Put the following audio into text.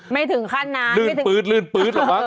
ไม่ถึงขั้นนานไม่ถึงลืนปื๊ดหรือเปล่า